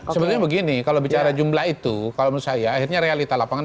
sebenarnya begini kalau bicara jumlah itu kalau menurut saya akhirnya realita lapangan